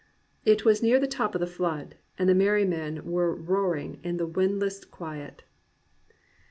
It was near the top of the flood, and the Merry Men were roaring in the windless quiet."